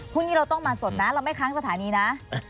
พรุ่งนี้เราต้องมาสดนะเราไม่ค้างสถานีนะ